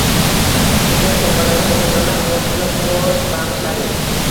Prezident sovg‘alari bolajonlar quvonchiga quvonch bag‘ishladi